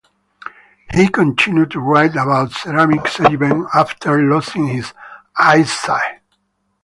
He continued to write about ceramics even after losing his eyesight.